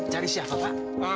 cari siapa pak